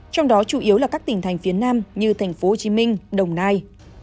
trong đó chủ yếu là các tỉnh thành phía nam như tp hcm đồng nai